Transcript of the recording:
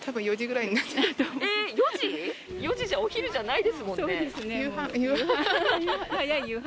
４時じゃお昼じゃないですもんね。